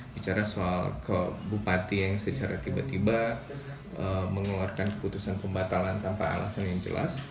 bicara soal bupati yang secara tiba tiba mengeluarkan keputusan pembatalan tanpa alasan yang jelas